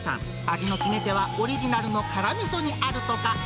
味の決め手はオリジナルの辛みそにあるとか。